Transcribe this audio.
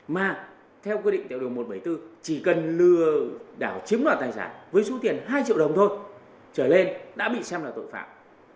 mà theo quy định tại điều một trăm bảy mươi bốn chỉ cần lừa đảo chiếm đoạt tài sản với số tiền hai triệu đồng thôi trở lên đã bị xem là tội phạm